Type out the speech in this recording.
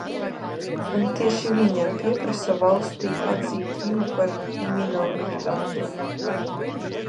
Un tieši viņa pieprasa valstij atzīt viņu par minoritāti.